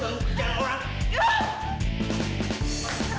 bawa juwita cepetan